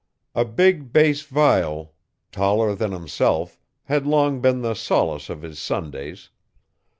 A big bass viol, taller than himself, had long been the solace of his Sundays.